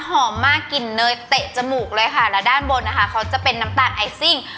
หอมมากกลิ่นเนยเตะจมูกเลยค่ะแล้วด้านบนนะคะเขาจะเป็นน้ำตาลไอซิ่ง